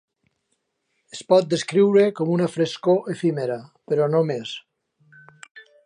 Es pot descriure com una frescor efímera, però no més.